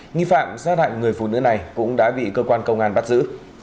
nghĩ phạm xác hại người phụ nữ này cũng đã bị cơ quan công an bắt giữ